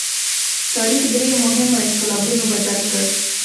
تاریخ درې مهمو انقلابونو بدل کړ.